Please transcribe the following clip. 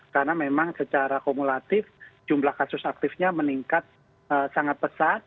karena memang secara kumulatif jumlah kasus aktifnya meningkat sangat pesat